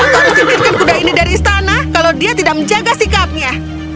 aku harus singkirkan kuda ini dari istana kalau dia tidak menjaga sikapnya